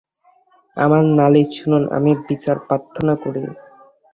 আমার নালিশ শুনুন, আমি বিচার প্রার্থনা করি।